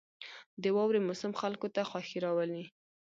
• د واورې موسم خلکو ته خوښي راولي.